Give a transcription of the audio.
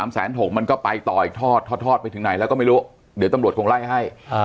มันก็ไปต่ออีกทอดทอดไปถึงไหนแล้วก็ไม่รู้เดี๋ยวตำรวจคงไล่ให้